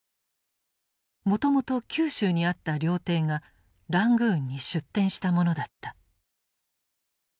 もともと九州にあった料亭がラングーンに出店したものだった。